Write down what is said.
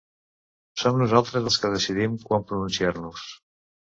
Som nosaltres els que decidim quan pronunciar-nos.